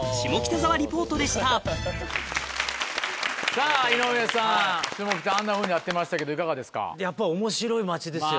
さぁ井上さん下北あんなふうになってましたけどいかがですか？